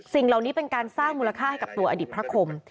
สิ่งเหล่านี้เป็นการสร้างมูลค่าให้กับตัวอดีตพระคม